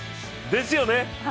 ですよね。